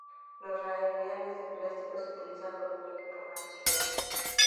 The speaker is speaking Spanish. Los raíles de plástico se utilizan con un equipo más ligero.